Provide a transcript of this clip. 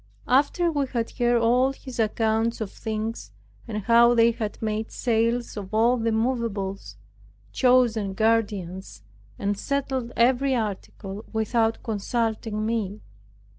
After we had heard all his accounts of things and how they had made sales of all the moveables, chosen guardians, and settled every article, without consulting me.